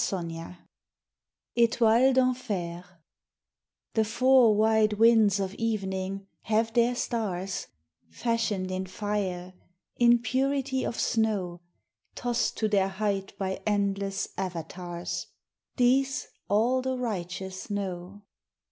XXI Étoiles d'Enfer The four wide winds of evening have their stars, Fashioned in fire, in purity of snow, Tossed to their height by endless avatars These all the righteous know.